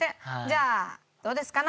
じゃあどうですか？